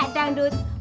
atau lagu yang dut